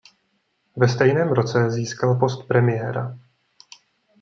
Ve stejném roce získal post premiéra.